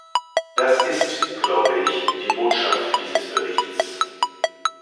Das ist, glaube ich, die Botschaft dieses Berichts.